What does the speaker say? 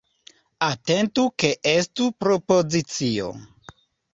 Atentu ke estu propozicio.